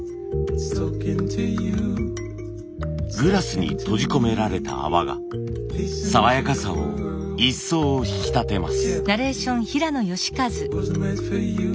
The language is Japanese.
グラスに閉じ込められた泡が爽やかさを一層引き立てます。